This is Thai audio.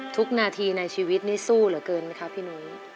ทุกนาทีในชีวิตนี้สู้เหลือเกินไหมคะพี่นุ้ย